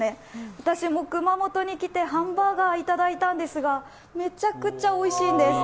私も熊本に来てハンバーガーをいただいたんですが、めちゃくちゃおいしいんです。